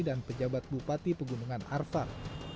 dan pejabat bupati pegunungan arfak